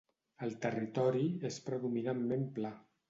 El territori és predominantment pla.